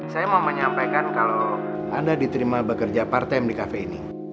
saya mau menyampaikan kalau anda diterima bekerja part time di cafe ini